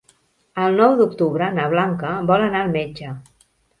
El nou d'octubre na Blanca vol anar al metge.